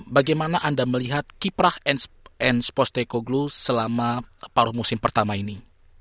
bagaimana anda melihat kiprah and sposteco glue selama paruh musim pertama ini